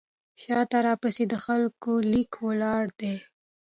شاته راپسې د خلکو لیکه ولاړه ده.